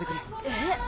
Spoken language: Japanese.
えっ？